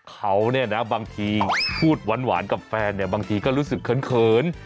เขาบางทีพูดหวานกับแฟนประมาณแตงก็รู้สึกเขิน